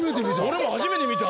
俺も初めて見た。